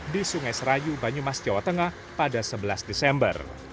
di sungai serayu banyumas jawa tengah pada sebelas desember